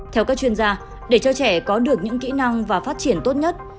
theo các chuyên gia để cho trẻ có được những kỹ năng và phát triển tốt nhất